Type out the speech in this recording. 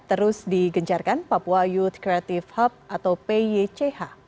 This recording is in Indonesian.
terus digencarkan papua youth creative hub atau pych